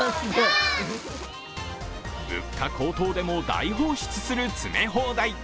物価高騰でも大放出する詰め放題。